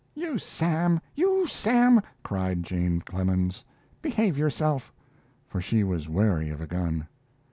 "You, Sam! You, Sam!" cried Jane Clemens. "Behave yourself," for she was wary of a gun.